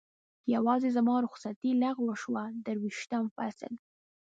یوازې زما رخصتي لغوه شوه، درویشتم فصل.